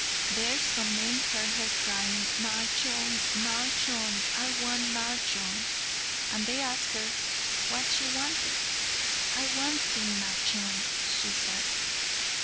There some men heard her crying, "Majnun, Majnun; I want Majnun," and they asked her what she wanted. "I want King Majnun," she said.